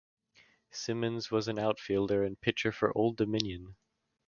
Symmonds was an outfielder and pitcher for Old Dominion.